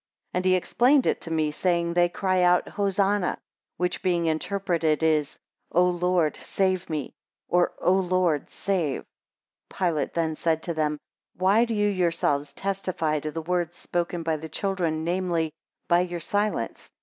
16 And he explained it to me, saying, they cry out, Hosannah, which being interpreted, is, O Lord, save me; or, O Lord, save. 17 Pilate then said to them, Why do you yourselves testify to the words spoken by the children, namely, by your silence?